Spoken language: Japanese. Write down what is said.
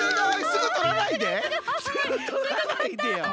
すぐとらないでよ！